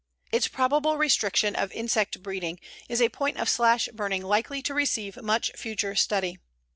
Its probable restriction of insect breeding is a point of slash burning likely to receive much future study.